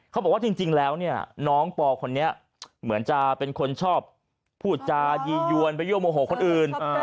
เขาบอกว่าจริงแล้วเนี่ยน้องปอคนนี้เหมือนจะเป็นคนชอบพูดจายียวนไปยั่วโมโหคนอื่น